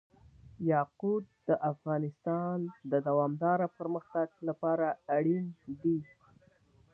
یاقوت د افغانستان د دوامداره پرمختګ لپاره اړین دي.